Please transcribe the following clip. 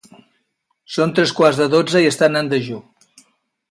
Són tres quarts de dotze i estan en dejú.